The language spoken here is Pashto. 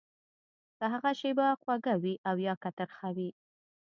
که هغه شېبه خوږه وي او يا که ترخه وي.